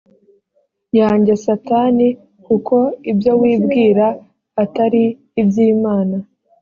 yanjye satani kuko ibyo wibwira atari iby imana